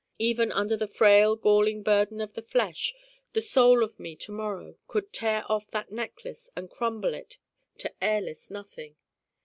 Even under the frail galling burden of the flesh the Soul of me to morrow could tear off that Necklace and crumble it to airless nothing.